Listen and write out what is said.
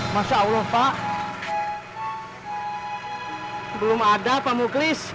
masya allah pak belum ada pak muklis